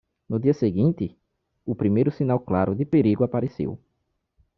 No dia seguinte?, o primeiro sinal claro de perigo apareceu.